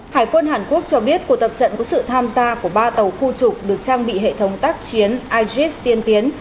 hải quân hàn quốc cho biết cuộc tập trận có sự tham gia của ba tàu khu trục được trang bị hệ thống tác chiến isis tiên tiến